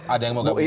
ada yang mau